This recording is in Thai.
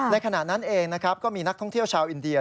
ในขณะนั้นเองก็มีนักท่องเที่ยวชาวอินเดีย